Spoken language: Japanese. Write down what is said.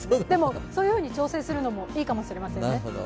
でも、そういうふうに調整するのもいいかもしれませんね。